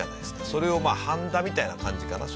それをはんだみたいな感じかな。